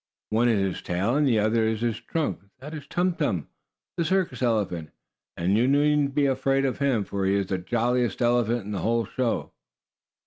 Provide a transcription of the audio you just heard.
"One is his tail and the other is his trunk. That is Tum Tum, the circus elephant. And you needn't be afraid of him, for he is the jolliest elephant in the whole show.